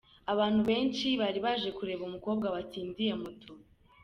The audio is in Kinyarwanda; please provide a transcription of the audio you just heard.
Abantu benshi bari baje kureba umukobwa watsindiye Moto.